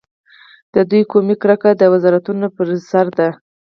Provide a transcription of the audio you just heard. د دوی قومي کرکه د وزارتونو پر سر ده.